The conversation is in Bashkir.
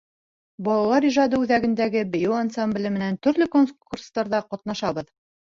Балалар ижады үҙәгендәге бейеү ансамбле менән төрлө конкурстарҙа ҡатнашабыҙ.